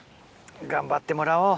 頑張ってもらおう。